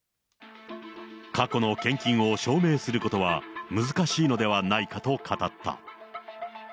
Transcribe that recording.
過去の献金を証明することは難しいのではないかと語った。